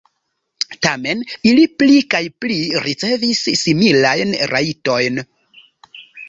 Tamen ili pli kaj pli ricevis similajn rajtojn.